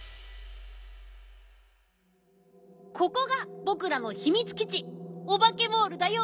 ここがぼくらのひみつきちオバケモールだよ。